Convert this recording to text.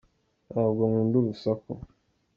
Ntabwo nkunda urusaku.